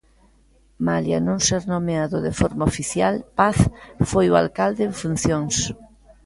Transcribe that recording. Malia non ser nomeado de forma oficial, Paz foi o alcalde en funcións.